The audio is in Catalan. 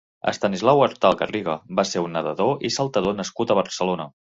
Estanislau Artal Garriga va ser un nedador i saltador nascut a Barcelona.